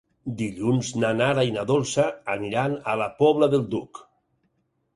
Dilluns na Nara i na Dolça aniran a la Pobla del Duc.